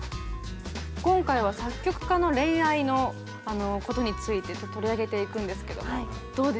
今回は作曲家の恋愛のことについて取り上げていくんですけどもどうですか？